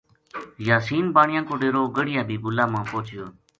یاسین بانیا کو ڈیرو گڑھی حبیب اللہ ما پوہچیو